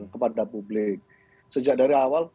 kepada publik sejak dari awal